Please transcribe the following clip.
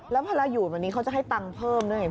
แล้วพอเราอยู่แบบนี้เขาจะให้ตังค์เพิ่มด้วย